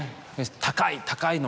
高い高いのとか。